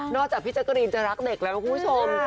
นอกจากพี่จักรีนจะรักเด็กแล้วคุณผู้ชม